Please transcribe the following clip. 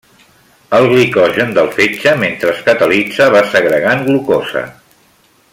El glicogen del fetge, mentre es catalitza, va segregant glucosa.